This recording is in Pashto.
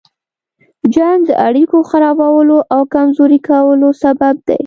جنګ د اړيکو خرابولو او کمزوري کولو سبب دی.